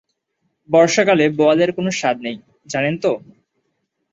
বর্ষাকালে বোয়ালের কোনো স্বাদ নেই জানেন তো?